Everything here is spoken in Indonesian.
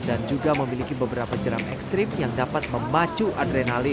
dan juga memiliki beberapa jeram ekstrim yang dapat memacu adrenalin